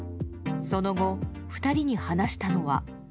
その後、２人に話したのは。